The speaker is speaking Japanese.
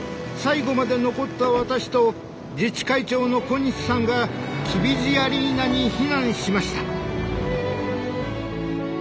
最後まで残った私と自治会長の小西さんがきびじアリーナに避難しました。